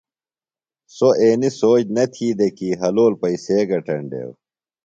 سوۡ اینیۡ سوچ نہ تھی دےۡ کی حلول پیئسے گٹینڈیو۔